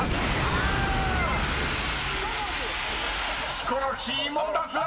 ［ヒコロヒーも脱落！］